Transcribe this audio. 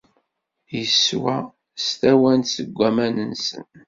Iswa s tawant seg waman-nsen.